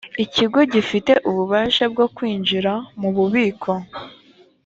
ikigo gifite ububasha bwo kwinjira mu bubiko